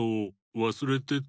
わすれてた。